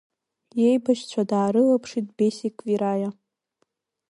Иеибашьцәа даарылаԥшит Бесик Квираиа.